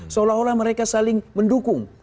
seolah olah mereka saling mendukung